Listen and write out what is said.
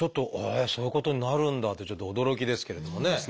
そういうことになるんだっていうちょっと驚きですけれどもね。